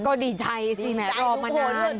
ก็ดีใจซินะรอมานาน